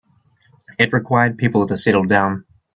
It required people to settle down.